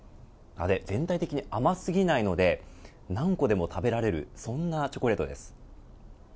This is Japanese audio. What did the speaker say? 全体的に甘すぎないので何個でも食べられるそんなチョコレートです。